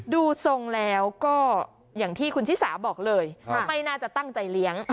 ดูทรงแล้วก็อย่างที่คุณชิสาบอกเลยว่าไม่น่าจะตั้งใจเลี้ยง